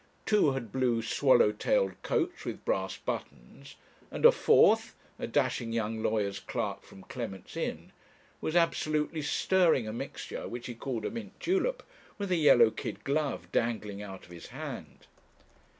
Two had blue swallow tailed coats with brass buttons; and a fourth, a dashing young lawyer's clerk from Clement's Inn, was absolutely stirring a mixture, which he called a mint julep, with a yellow kid glove dangling out of his hand.